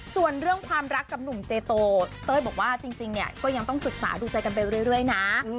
ส่วนเรื่องความรักกับหนุ่มเจโตเต้ยบอกว่าจริงเนี่ยก็ยังต้องศึกษาดูใจกันไปเรื่อยนะ